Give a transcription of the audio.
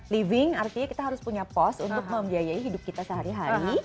living artinya kita harus punya pos untuk membiayai hidup kita sehari hari